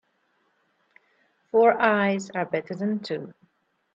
Four eyes are better than two.